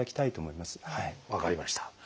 分かりました。